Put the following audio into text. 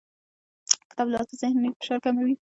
کتاب لوستل ذهني فشار کموي